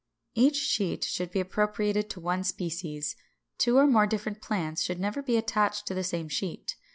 Each sheet should be appropriated to one species; two or more different plants should never be attached to the same sheet.